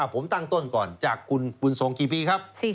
ผมตั้งต้นก่อนจากคุณบุญทรงกี่ปีครับ